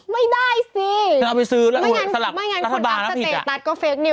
ไม่ได้ซิ